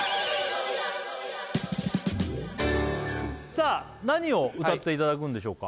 さあ何を歌っていただくんでしょうか？